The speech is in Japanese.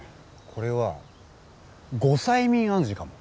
これは後催眠暗示かも。